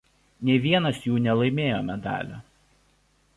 Nei vienas jų nelaimėjo medalio.